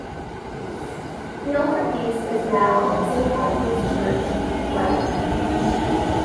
The altarpiece is now in Saint Michael's Church, Brighton.